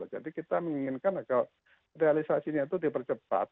jadi kita menginginkan agar realisasinya itu dipercepat